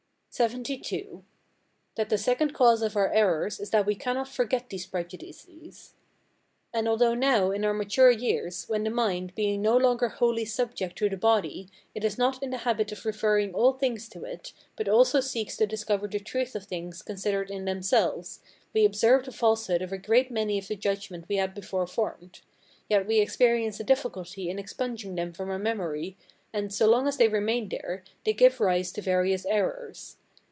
LXXII. That the second cause of our errors is that we cannot forget these prejudices. And although now in our mature years, when the mind, being no longer wholly subject to the body, is not in the habit of referring all things to it, but also seeks to discover the truth of things considered in themselves, we observe the falsehood of a great many of the judgments we had before formed; yet we experience a difficulty in expunging them from our memory, and, so long as they remain there, they give rise to various errors.